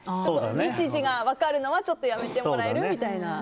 日時が分かるのはちょっとやめてもらえる？みたいな。